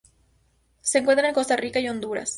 Se encuentra en Costa Rica y Honduras.